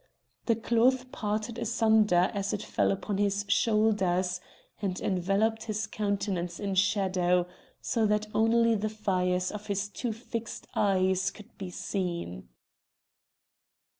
The cloth parted asunder as it fell upon his shoulders, and enveloped his countenance in shadow, so that only the fires of his two fixed eyes could be seen.